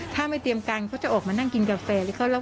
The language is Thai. ถ้าไม่เตรียมการเขาจะออกมานั่งกินกาแฟ